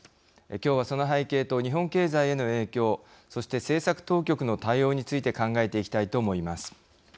きょうは、その背景と日本経済への影響そして政策当局の対応について考えていきたいと思います。